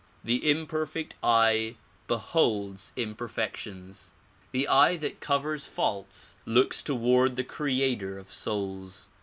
The imperfect eye beholds imperfections. The eye that covers faults looks toward the creator of souls.